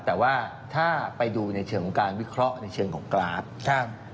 แต่ว่าถ้าไปดูในเชิงของการวิเคราะห์ในเชิงของกราฟ